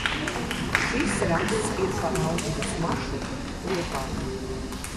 Šis raksts ir par autobusu maršrutu Liepājā.